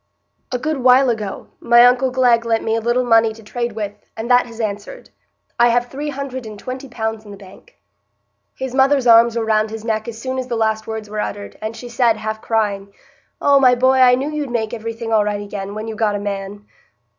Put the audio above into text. "A good while ago, my uncle Glegg lent me a little money to trade with, and that has answered. I have three hundred and twenty pounds in the bank." His mother's arms were round his neck as soon as the last words were uttered, and she said, half crying: "Oh, my boy, I knew you'd make iverything right again, when you got a man."